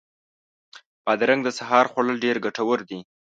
بادرنګ د سهار خوړل ډېر ګټور دي.